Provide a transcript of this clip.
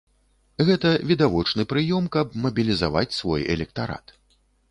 Гэта відавочны прыём, каб мабілізаваць свой электарат.